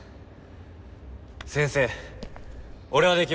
先生俺はできます。